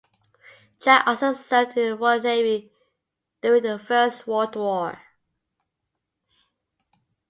Jack also served in the Royal Navy during the First World War.